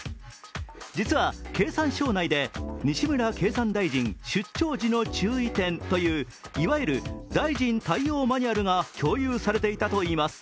実は経産省内で西村経産大臣、出張時の注意点といういわゆる大臣対応マニュアルが共有されていたといいます。